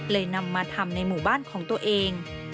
นำมาทำในหมู่บ้านของตัวเอง